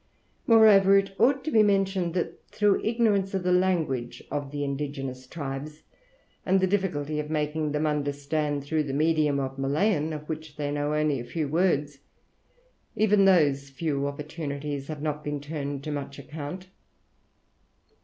Moreover, it ought to be mentioned that through ignorance of the language of the indigenous tribes, and the difficulty of making them understand through the medium of Malayan, of which they know only a few words, even those few opportunities have not been turned to much account.